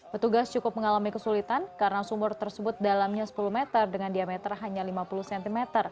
petugas cukup mengalami kesulitan karena sumur tersebut dalamnya sepuluh meter dengan diameter hanya lima puluh cm